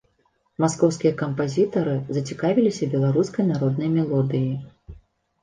Маскоўскія кампазітары зацікавіліся беларускай народнай мелодыяй.